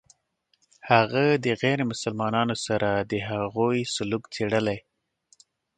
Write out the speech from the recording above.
هغه د غیر مسلمانانو سره د هغوی سلوک څېړلی.